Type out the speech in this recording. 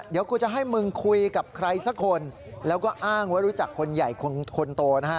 เดี๋ยวกูจะให้มึงคุยกับใครสักคนแล้วก็อ้างว่ารู้จักคนใหญ่คนโตนะฮะ